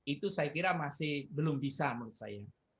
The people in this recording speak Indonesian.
itu saya kira masih belum bisa menurut saya